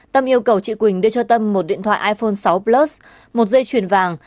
tâm yêu cầu chị quỳnh đưa cho tâm một điện thoại iphone sáu plus một dây chuyền vàng